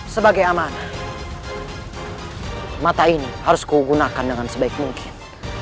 sebagai amanah mata ini harus kugunakan dengan sebaik mungkin